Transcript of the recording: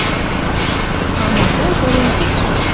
Ана кож ӹрен кеш